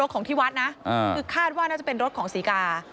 คัดว่าน่าจะเป็นรถของสีกา